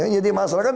jadi masalah kan